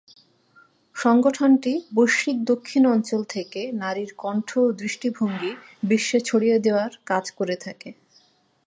সংগঠনটি বৈশ্বিক দক্ষিণ অঞ্চল থেকে নারীর কণ্ঠ ও দৃষ্টিভঙ্গি বিশ্বে ছড়িয়ে দেওয়ার কাজ করে থাকে।